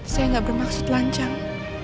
saya gak bermaksud lancang